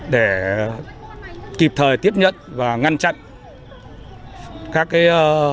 để kịp thời tiếp nhận và ngăn chặn các cái